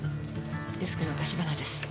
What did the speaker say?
デスクの橘です。